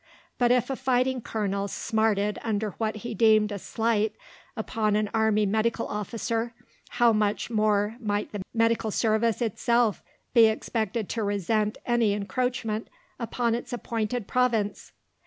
But if a fighting colonel smarted under what he deemed a slight upon an army medical officer, how much more might the Medical Service itself be expected to resent any encroachment upon its appointed province!